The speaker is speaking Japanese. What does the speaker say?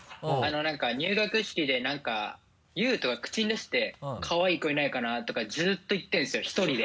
入学式で何か悠人が口に出して「かわいい子いないかな」とかずっと言ってるんですよ１人で。